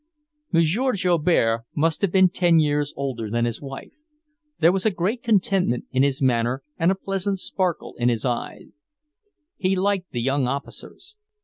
M. Joubert must have been ten years older than his wife. There was a great contentment in his manner and a pleasant sparkle in his eye. He liked the young officers.